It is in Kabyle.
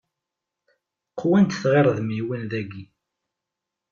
Qwant tɣirdmiwin dagi.